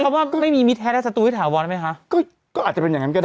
ใช่คำว่าไม่มีมิเทศและศัตรูให้ถาวรไหมฮะก็อาจจะเป็นอย่างนั้นก็ได้